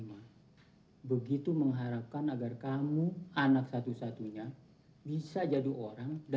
tapi mereka tidak mengingat tahu anda